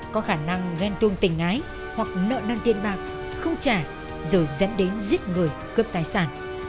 có khả năng ghen tuông tình ái hoặc nợ năn tiền bạc không trả rồi dẫn đến giết người cướp tài sản